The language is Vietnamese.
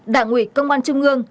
đảng ủy công an trung ương